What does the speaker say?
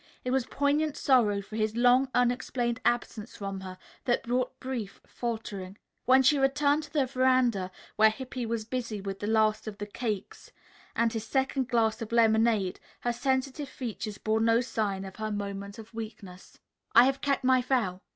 It was poignant sorrow for his long unexplained absence from her that brought brief faltering. When she returned to the veranda, where Hippy was busy with the last of the cakes and his second glass of lemonade, her sensitive features bore no sign of her moment of weakness. "I have kept my vow."